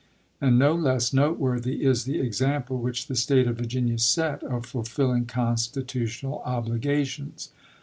And no less noteworthy is the ex ample which the State of Virginia set, of fulfilling " constitutional obligations."